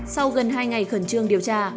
sau gần hai ngày khẩn trương điều tra